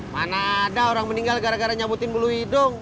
mana ada orang meninggal gara gara nyabutin bulu hidung